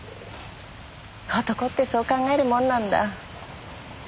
男ってそう考えるもんなんだ。えっ？